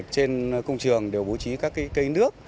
trên công trường đều bố trí các cây nước